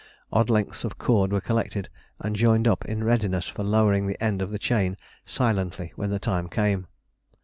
Odd lengths of cord were collected and joined up in readiness for lowering the end of the chain silently when the time came.